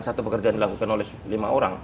satu pekerjaan dilakukan oleh lima orang